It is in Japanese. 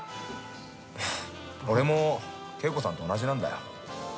俺も圭子さんと同じなんだよ。